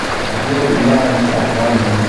زه ویاړم چی افغان يم